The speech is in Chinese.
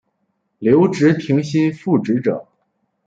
留职停薪复职者